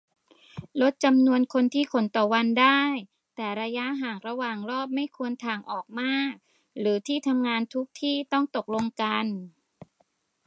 ลดจำนวนคนรวมที่ขนต่อวันได้ แต่ระยะห่างระหว่างรอบไม่ควรถ่างออกมาก หรือที่ทำงานทุกที่ต้องตกลงกัน